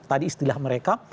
tadi istilah mereka